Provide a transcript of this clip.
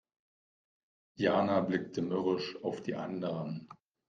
Jana blickte mürrisch auf die anderen.